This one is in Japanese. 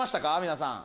皆さん。